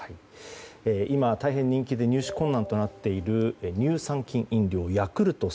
今、大変人気で入手困難となっている乳酸菌飲料ヤクルト１０００